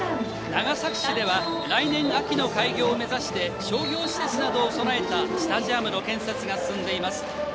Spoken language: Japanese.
長崎市では来年秋の開業を目指して商業施設などを備えたスタジアムの建設が進んでいます。